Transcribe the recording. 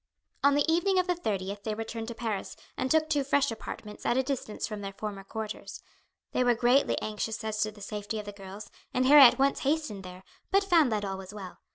On the evening of the 30th they returned to Paris, and took two fresh apartments at a distance from their former quarters. They were greatly anxious as to the safety of the girls, and Harry at once hastened there, but found that all was well.